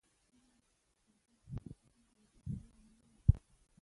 سوله او ثبات د اقتصادي غوړېدو اصلي لاملونه دي.